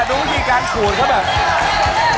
ดูพวกนี้การขูดก็แบบ